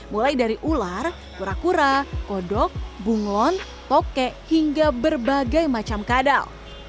mulai dari ular kura kura kodok bunglon toke hingga berbagai macam kadal